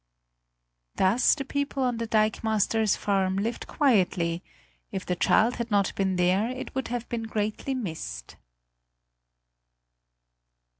Thus the people on the dikemaster's farm lived quietly; if the child had not been there, it would have been greatly missed.